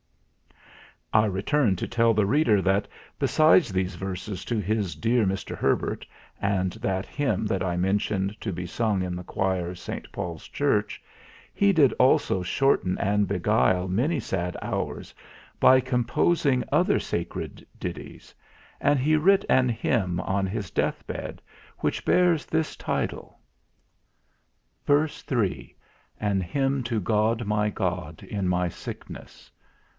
I return to tell the reader, that, besides these verses to his dear Mr. Herbert, and that Hymn that I mentioned to be sung in the choir of St. Paul's Church, he did also shorten and beguile many sad hours by composing other sacred ditties; and he writ an Hymn on his death bed, which bears this title: "AN HYMN TO GOD, MY GOD, IN MY SICKNESS.